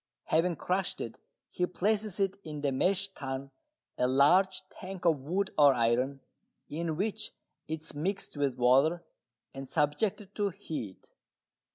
Having crushed it, he places it in the "mash tun," a large tank of wood or iron, in which it is mixed with water and subjected to heat.